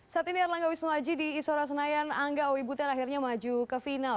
saat ini erlangga wisnuaji di isora senayan angga owi butet akhirnya maju ke final